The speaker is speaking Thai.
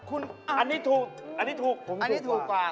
อันนี้ถูกผมถูกกว่า